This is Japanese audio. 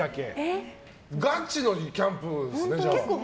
ガチのキャンプですね。